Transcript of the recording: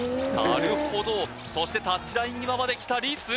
なるほどそしてタッチライン際まで来たリス